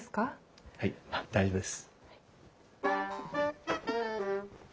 はい大丈夫です。